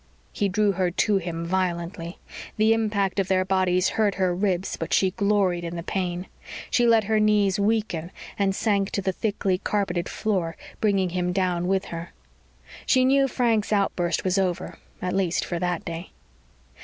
He drew her to him violently. The impact of their bodies hurt her ribs but she gloried in the pain. She let her knees weaken and sank to the thickly carpeted floor, bringing him down with her. She knew Frank's outburst was over at least for that day.